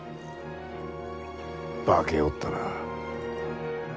化けおったな。